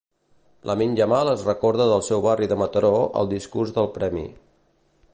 Lamine Yamal es recorda del seu barri de Mataró al discurs del premi.